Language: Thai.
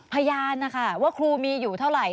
พยานนะคะว่าครูมีอยู่เท่าไหร่